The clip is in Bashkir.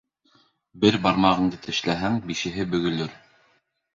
Бер бармағыңды тешләһәң, бишеһе бөгөлөр.